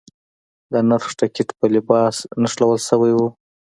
د نرخ ټکټ په لباس نښلول شوی و.